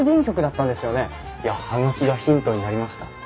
いや葉書がヒントになりました。